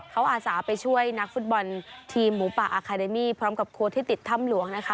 เขาอาสาไปช่วยนักฟุตบอลทีมหมูป่าอาคาเดมี่พร้อมกับโค้ดที่ติดถ้ำหลวงนะคะ